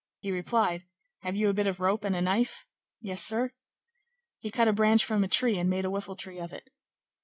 He replied, "Have you a bit of rope and a knife?" "Yes, sir." He cut a branch from a tree and made a whiffle tree of it.